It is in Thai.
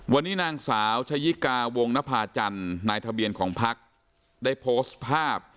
วันนี้นางสาวชายิกาวงภาจรรย์ในทะเบียนของพรรคได้โพสต์ภาพ